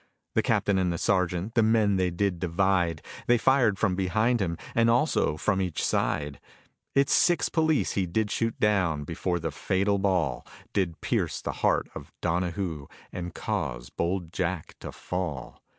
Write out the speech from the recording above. The captain and the sergeant The men they did divide; They fired from behind him And also from each side; It's six police he did shoot down Before the fatal ball Did pierce the heart of Donahoo And cause bold Jack to fall.